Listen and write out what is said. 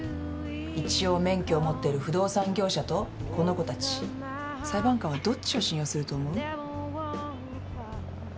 一応免許を持ってる不動産業者とこの子たち裁判官はどっちを信用すると思う？